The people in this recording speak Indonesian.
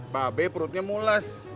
babe perutnya mules